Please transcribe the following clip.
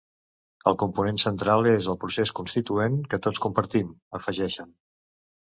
El component central és el procés constituent que tots compartim, afegeixen.